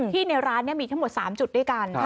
ที่ในร้านมีทั้งหมด๓จุดด้วยกัน